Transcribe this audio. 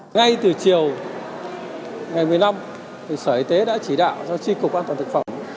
ngay từ chiều ngày một mươi năm sở y tế đã chỉ đạo cho tri cục an toàn thực phẩm